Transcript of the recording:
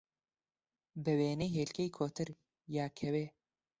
بە وێنەی هێلکەی کۆتر، یا کەوێ